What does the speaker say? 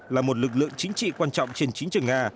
là một lực lượng chính trị quan trọng trên chính trường nga